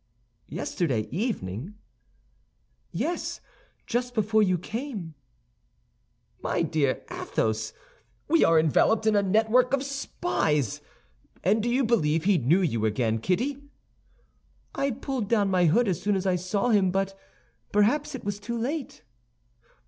"Yesterday evening?" "Yes, just before you came." "My dear Athos, we are enveloped in a network of spies. And do you believe he knew you again, Kitty?" "I pulled down my hood as soon as I saw him, but perhaps it was too late."